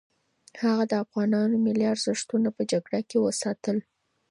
هغه د افغانانو ملي ارزښتونه په جګړه کې وساتل.